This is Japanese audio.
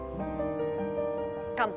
乾杯